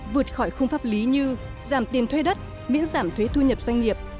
vượt khỏi khung pháp lý như giảm tiền thuê đất miễn giảm thuế thu nhập doanh nghiệp